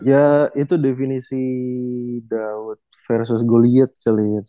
ya itu definisi daud versus goliath